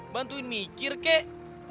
bantuin mikir kek